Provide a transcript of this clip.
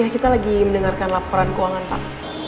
kita lagi mendengarkan laporan keuangan pak